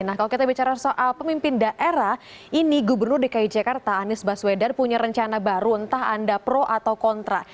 nah kalau kita bicara soal pemimpin daerah ini gubernur dki jakarta anies baswedan punya rencana baru entah anda pro atau kontra